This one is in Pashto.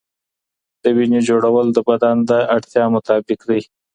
د وینې جوړول د بدن د اړتیا مطابق دی.